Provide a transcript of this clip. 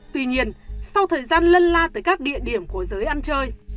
tuy nhiên sau thời gian lân la tới các địa điểm của giới ăn chơi